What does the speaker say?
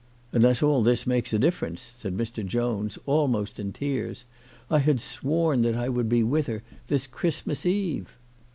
'' Unless all this maKes a difference," said Mr. Jones, almost in tears. " I had sworn that I would be with her this Christmas Eve."